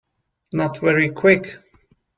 Not very Quick.